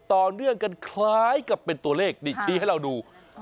ต่อเนื่องกันคล้ายกับเป็นตัวเลขนี่ชี้ให้เราดู